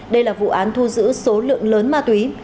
đây là vụ án thu giữ số lượng lớn ma túy